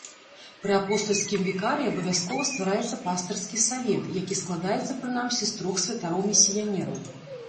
Пры апостальскім вікарыі абавязкова ствараецца пастырскі савет, які складаецца прынамсі з трох святароў-місіянераў.